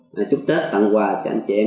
và chúc tết tặng quà cho anh chị em